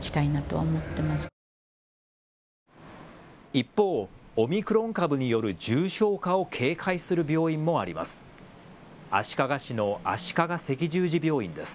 一方、オミクロン株による重症化を警戒する病院もあります。